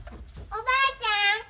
おばあちゃん